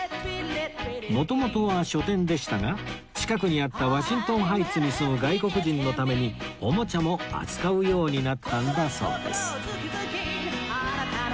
元々は書店でしたが近くにあったワシントンハイツに住む外国人のためにおもちゃも扱うようになったんだそうです